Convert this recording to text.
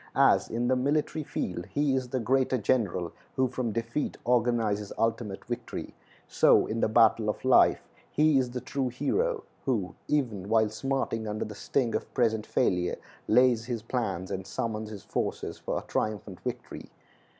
As in the military field he is the greater general who from defeat organizes ultimate victory, so in the battle of life he is the true hero who, even while smarting under the sting of present failure, lays his plans and summons his forces for a triumphant victory.